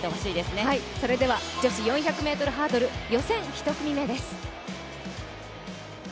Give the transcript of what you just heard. それでは女子４００ｍハードル予選１組目です。